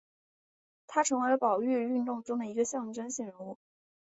他成为了保育运动中的一个象征性人物。